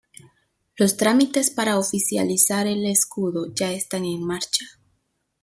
Los trámites para oficializar el escudo ya están en marcha.